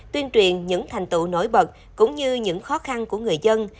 tuyên truyền những thành tựu nổi bật cũng như những khó khăn của người dân